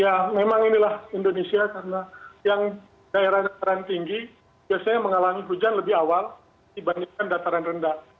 ya memang inilah indonesia karena yang daerah dataran tinggi biasanya mengalami hujan lebih awal dibandingkan dataran rendah